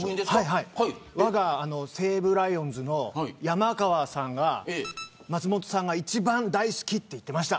わが西武ライオンズの山川さんが松本さんが一番大好きと言ってました。